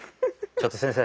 ちょっと先生。